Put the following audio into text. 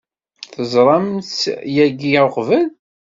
Teẓramt-tt yagi uqbel?